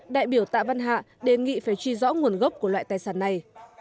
đại biểu tạ văn hạ đề nghị phải truy rõ nguồn gốc của loại tài sản này